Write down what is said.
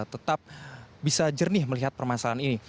tetap bisa jernih melihat permasalahan ini